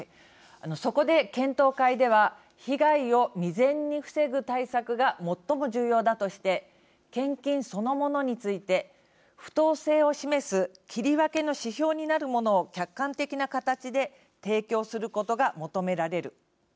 そこで検討会では被害を未然に防ぐ対策が最も重要だとして献金そのものについて不当性を示す切り分けの指標になるものを客観的な形で提供することが求められる。